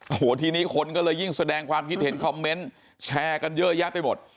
โอ้โหทีนี้คนก็เลยยิ่งแสดงความคิดเห็นคอมเมนต์แชร์กันเยอะแยะไปหมด